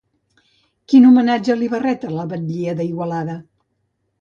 Quin homenatge li va retre la batllia d'Igualada?